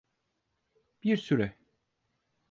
Bir süre.